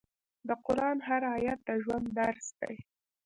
د قرآن هر آیت د ژوند درس دی.